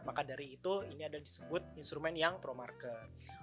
maka dari itu ini ada disebut instrumen yang pro market